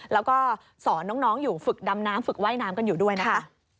แล้วก็สอนน้องอยู่ฝึกดำน้ำฝึกว่ายน้ำกันอยู่ด้วยนะคะ